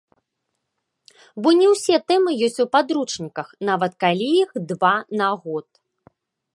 Бо не ўсе тэмы ёсць у падручніках, нават калі іх два на год.